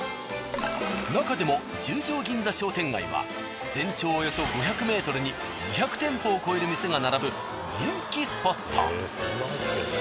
なかでも十条銀座商店街は全長およそ５００ｍに２００店舗を超える店が並ぶ人気スポット。